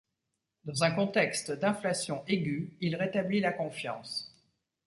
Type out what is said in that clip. Dans un contexte d’inflation aiguë, il rétablit la confiance.